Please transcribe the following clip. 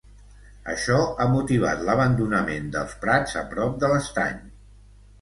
Això ha motivat l'abandonament dels prats a prop de l'estany.